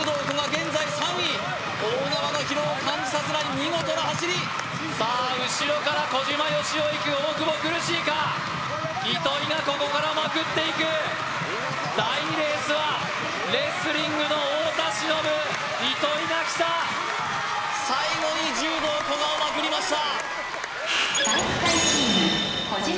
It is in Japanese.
現在３位大縄の疲労を感じさせない見事な走りさあ後ろから小島よしおいく大久保苦しいか糸井がここからまくっていく第２レースはレスリングの太田忍糸井がきた最後に柔道・古賀をまくりました